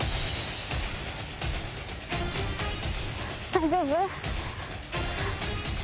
大丈夫？